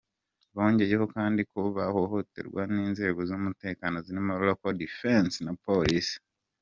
Bongeyeho kandi ko bahohoterwa n’inzego z’umutekano zirimo Local Defense na Polisi.